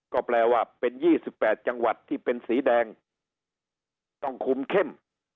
ก็แปลว่าเป็น๒๘จังหวัดที่เป็นสีแดงต้องคุมเข้ม